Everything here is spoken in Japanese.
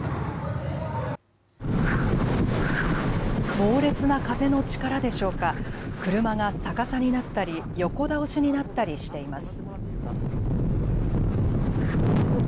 猛烈な風の力でしょうか、車が逆さになったり横倒しになったりしています。